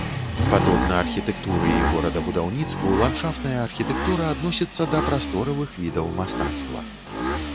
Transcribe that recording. Падобна архітэктуры і горадабудаўніцтву ландшафтная архітэктура адносіцца да прасторавых відаў мастацтва.